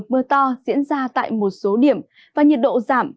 mưa to diễn ra tại một số điểm và nhiệt độ giảm